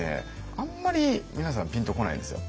あんまり皆さんピンとこないんですよ。